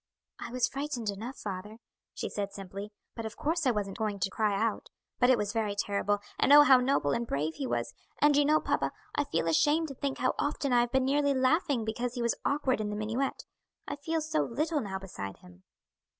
"I was frightened enough, father," she said simply, "but of course I wasn't going to cry out; but it was very terrible; and oh, how noble and brave he was! And you know, papa, I feel ashamed to think how often I have been nearly laughing because he was awkward in the minuet. I feel so little now beside him."